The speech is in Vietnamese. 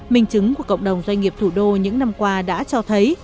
minh chứng của cộng đồng doanh nghiệp thủ đô những năm qua đã cho thấy